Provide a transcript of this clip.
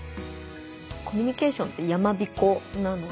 コミュニケーションってやまびこなので。